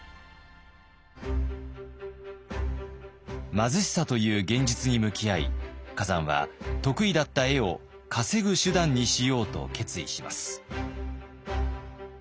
貧しさという現実に向き合い崋山は得意だった絵を稼ぐ手段にしようと決意します。